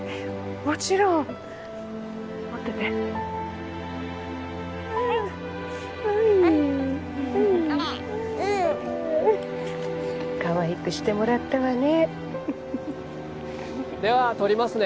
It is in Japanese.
もちろん持っててはいはいはいかわいくしてもらったわね・では撮りますね